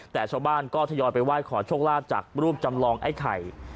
แต่ชาวบ้านก็ทยอยไปไหว้ขอโชคลาภจากรูปจำลองไอ้ไข่